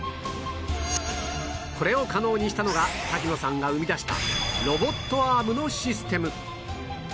これを可能にしたのが滝野さんが生み出したロボットアームのシステム